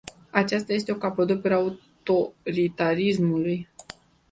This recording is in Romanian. Aceasta este o capodoperă a autoritarismului.